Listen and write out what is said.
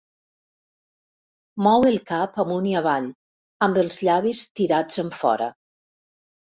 Mou el cap amunt i avall, amb els llavis tirats enfora.